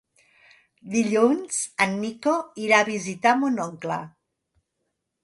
Dilluns en Nico irà a visitar mon oncle.